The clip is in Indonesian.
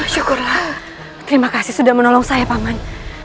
syukurlah terima kasih sudah menolong saya paman